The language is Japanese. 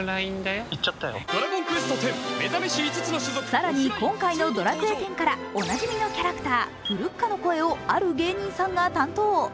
更に今回の「ドラクエⅩ」からおなじみのキャラクターフルッカの声をある芸人さんが担当。